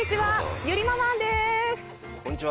こんにちは。